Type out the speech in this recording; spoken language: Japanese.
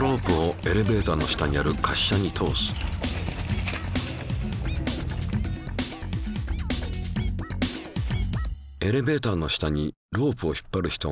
エレベーターの下にロープを引っ張る人がいると危ない。